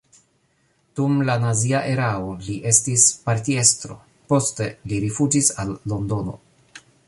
Dum la nazia erao li estis partiestro, poste li rifuĝis al Londono.